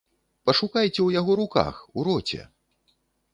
Пашукайце ў яго руках, у роце!